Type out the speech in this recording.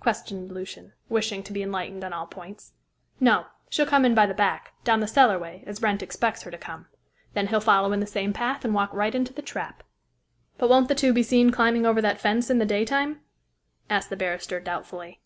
questioned Lucian, wishing to be enlightened on all points. "No. She'll come in by the back, down the cellarway, as Wrent expects her to come. Then he'll follow in the same path and walk right into the trap." "But won't the two be seen climbing over that fence in the daytime?" asked the barrister doubtfully.